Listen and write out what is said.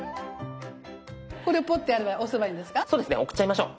これをポッてやれば押せばいいんですか？